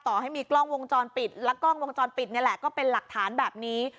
ต่อให้มีกล้องวงจรปิดและกล้องวงจรปิดนี่แหละก็เป็นหลักฐานแบบนี้